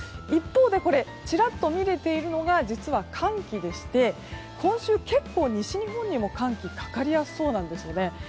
一方で、ちらっと見えているのが寒気でして今週、結構西日本にも寒気がかかりそうなんですね。